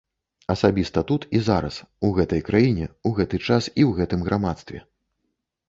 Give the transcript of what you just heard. Асабіста тут і зараз, у гэтай краіне, у гэты час і ў гэтым грамадстве.